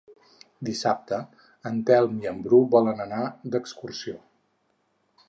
Dissabte en Telm i en Bru volen anar d'excursió.